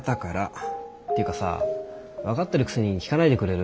っていうかさ分かってるくせに聞かないでくれる？